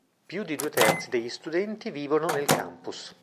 Più di due terzi degli studenti vivono nel campus.